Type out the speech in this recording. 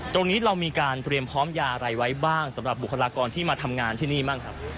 ตรงนี้เรามีการเตรียมพร้อมยาอะไรไว้บ้างสำหรับบุคลากรที่มาทำงานที่นี่บ้างครับ